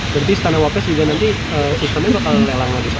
berarti istana wapres juga nanti istana itu akan lelang lagi pak